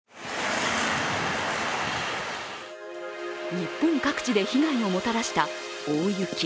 日本各地で被害をもたらした大雪。